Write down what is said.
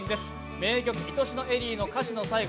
名曲「いとしのエリー」の歌詞の最後、